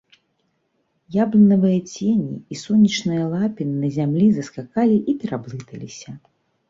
Яблынавыя цені і сонечныя лапіны на зямлі заскакалі і пераблыталіся.